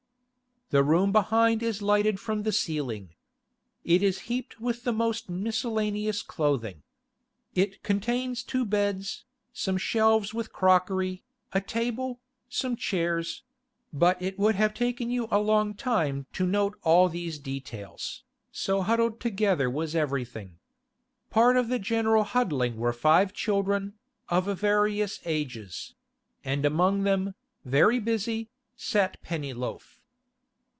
The room behind is lighted from the ceiling. It is heaped with the most miscellaneous clothing. It contains two beds, some shelves with crockery, a table, some chairs—but it would have taken you a long time to note all these details, so huddled together was everything. Part of the general huddling were five children, of various ages; and among them, very busy, sat Pennyloaf.